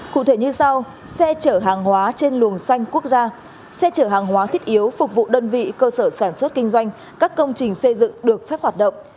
cụ thể như sau xe chở hàng hóa trên luồng xanh quốc gia xe chở hàng hóa thiết yếu phục vụ đơn vị cơ sở sản xuất kinh doanh các công trình xây dựng được phép hoạt động